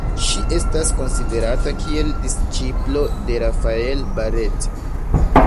Ŝi estas konsiderata kiel disĉiplo de Rafael Barrett.